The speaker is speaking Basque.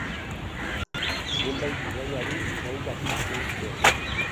Zenbait bidaiari irainka hasi zitzaizkion.